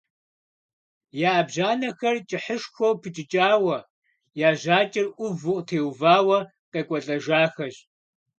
Я Ӏэбжьанэхэр кӀыхьышхуэу пыкӀыкӀауэ, я жьакӀэр Ӏуву къытеувауэ къекӀуэлӀэжахэщ.